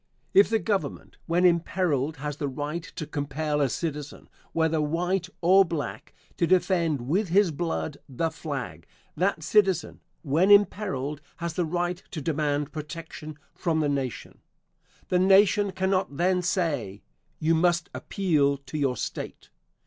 If the Government when imperiled has the right to compel a citizen, whether white or black, to defend with his blood the flag, that citizen, when imperiled, has the right to demand protection from the Nation. The Nation cannot then say, "You must appeal to your State."